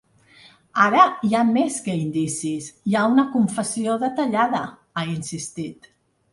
Ara hi ha més que indicis, hi ha una confessió detallada, ha insistit.